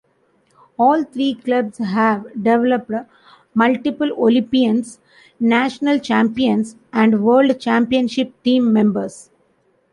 All three clubs have developed multiple Olympians, National Champions, and World Championship team members.